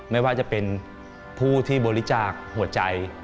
ไม่ว่าจะเป็นผู้ที่บริจาคหัวใจ